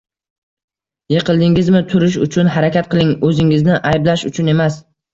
Yiqildingizni, turish uchun harakat qiling, o’zingizni ayblash uchun emas